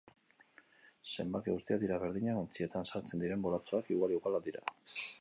Zenbaki guztiak dira berdinak, ontzietan sartzen diren bolatxoak igual-igualak dira.